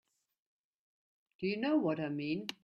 Do you know what I mean?